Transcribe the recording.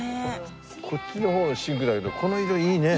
こっちの方がシンプルだけどこの色いいね。